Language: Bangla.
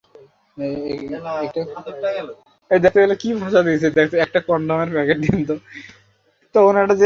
একটা কনডমের প্যাকেট দে তো।